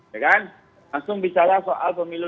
langsung bicara soal pemilu dua ribu dua puluh empat